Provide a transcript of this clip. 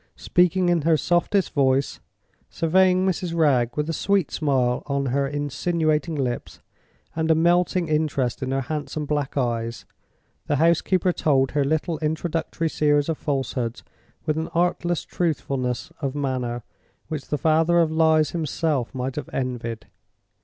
Speaking in her softest voice, surveying Mrs. Wragge with a sweet smile on her insinuating lips, and a melting interest in her handsome black eyes, the housekeeper told her little introductory series of falsehoods with an artless truthfulness of manner which the Father of Lies himself might have envied.